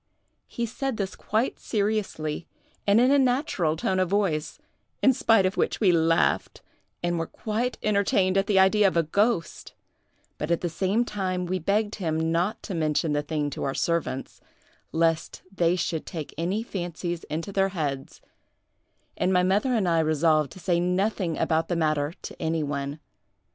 He said this quite seriously, and in a natural tone of voice, in spite of which we laughed, and were quite entertained at the idea of a ghost; but at the same time we begged him not to mention the thing to our servants, lest they should take any fancies into their heads; and my mother and I resolved to say nothing about the matter to any one.